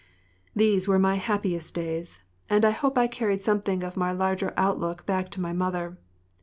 These were my happiest days, and I hope I carried something of my larger outlook back to my mother.